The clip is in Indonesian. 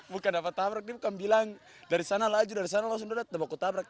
bukan dapat tabrak ini bukan bilang dari sana laju dari sana langsung dapat aku tabrak